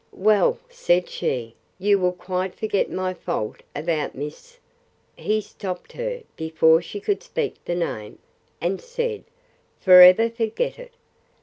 Well, said she, you will quite forget my fault about Miss—He stopt her before she could speak the name, and said, For ever forget it!